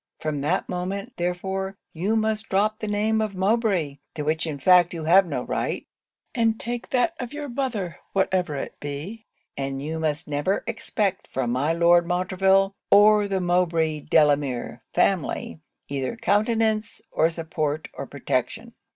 From that moment, therefore, you must drop the name of Mowbray, to which in fact you have no right, and take that of your mother, whatever it be; and you must never expect from my Lord Montreville, or the Mowbray Delamere family, either countenance, or support, or protection.